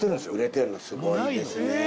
すごいですね。